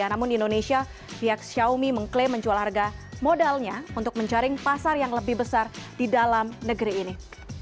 namun di indonesia pihak xiaomi mengklaim menjual harga modalnya untuk menjaring pasar yang lebih besar di dalam negeri ini